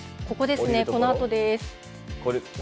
ここですね、このあとです。